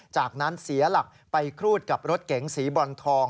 จากนั้นเสียหลักไปครูดกับรถเก๋งสีบรอนทอง